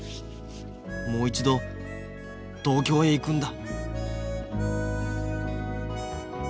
もう一度東京へ行くんだ